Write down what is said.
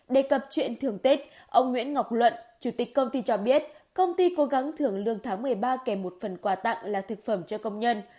đề cập chuyện thường tết ông nguyễn ngọc luận chủ tịch công ty cho biết công ty cố gắng thưởng lương tháng một mươi ba kèm một phần quà tặng là thực phẩm cho công nhân